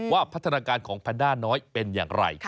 พัฒนาการของแพนด้าน้อยเป็นอย่างไร